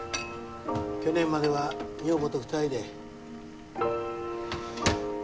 去年までは女房と２人で。